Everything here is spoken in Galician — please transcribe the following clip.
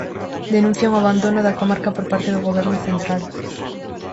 Denuncian o abandono da comarca por parte do Goberno central.